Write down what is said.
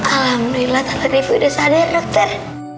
alhamdulillah tante devi sudah sadar dokter